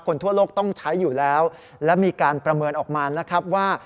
ทั่วโลกต้องใช้อยู่แล้วและมีการประเมินออกมานะครับว่า